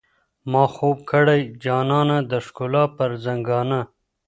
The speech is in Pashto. ما خوب كړئ جانانه د ښكلا پر ځـنـګانــه